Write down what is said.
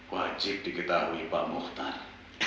wajib diketahui pak muhtar